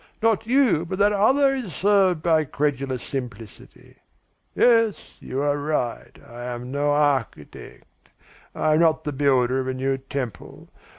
Not you, but that other, is served by credulous simplicity. Yes, you are right, I am no architect. I am not the builder of a new temple.